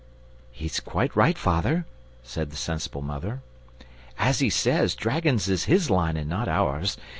"He's quite right, father," said the sensible mother. "As he says, dragons is his line and not ours.